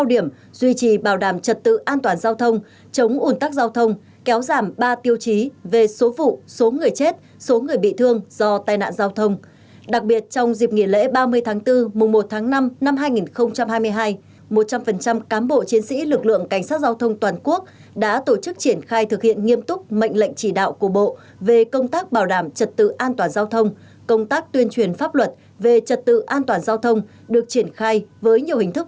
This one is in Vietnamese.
hôm nay đại tướng tô lâm ủy viên bộ chính trị bộ trưởng bộ công an có thư khen gửi cán bộ chiến sĩ lực lượng cảnh sát giao thông toàn quốc đã nỗ lực phấn đấu quyết tâm thực hiện thắng lợi nhiệm vụ bảo đảm trật tự an toàn giao thông trong thời gian qua